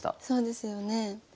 そうですよね。